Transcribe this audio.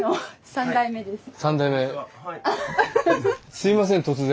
すいません突然。